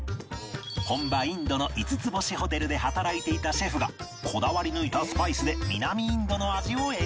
本場インドの５つ星ホテルで働いていたシェフがこだわり抜いたスパイスで南インドの味を演出